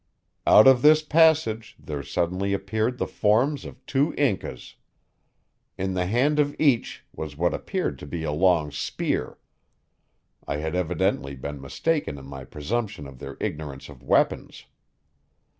Out of this passage there suddenly appeared the forms of two Incas. In the hand of each was what appeared to be a long spear I had evidently been mistaken in my presumption of their ignorance of weapons.